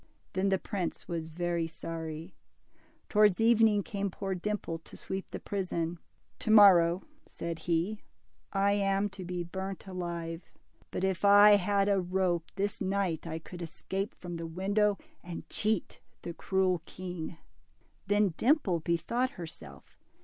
Then the prince was very sorry. Towards evening came poor Dimple to sweep the prison. To morrow," said he, I am to be burnt alive ; but if I had a rope, this night I could escape from the window, and cheat the cruel king." Then Dimple bethought herself.